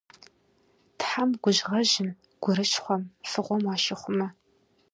Тхьэм гужьгъэжьым, гурыщхъуэм, фыгъуэм уащихъумэ.